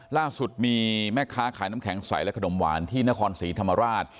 ล่าสุดมีแม่ค้าขายน้ำแข็งใสและขนมหวานที่นครศรีธรรมราช